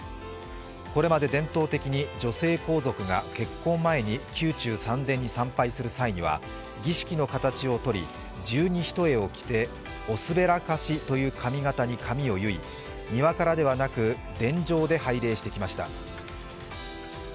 これまで伝統的に女性皇族が結婚前に宮中三殿に参拝する際には儀式の形をとり、十二単を着て、おすべらかしという髪形に髪を結い、庭からではなく、殿上で拝礼してきました。